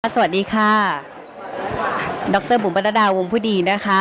สวัสดีค่ะดรบุ๋มพันธดาวงพุดีนะคะ